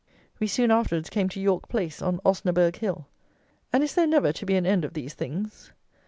We soon afterwards came to "York Place" on "Osnaburg Hill." And is there never to be an end of these things?